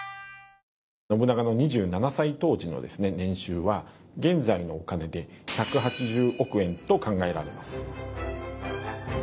信長の２７歳当時の年収は現在のお金で１８０億円と考えられます。